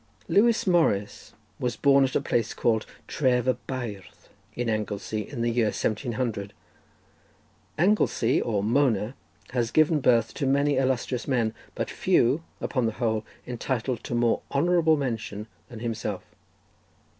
Lewis Morris was born at a place called Tref y Beirdd, in Anglesey, in the year 1700. Anglesey, or Mona, has given birth to many illustrious men, but few, upon the whole, entitled to more honourable mention than himself.